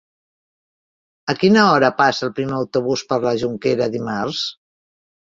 A quina hora passa el primer autobús per la Jonquera dimarts?